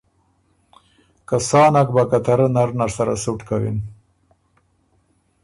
که سا نک بَۀ که ته رۀ نر نر سره سُټ کوِن۔